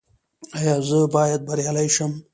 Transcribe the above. ایا زه باید بریالی شم؟